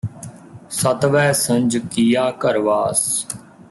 ਸਤਵੈ ਸੰਜਿ ਕੀਆ ਘਰ ਵਾਸੁ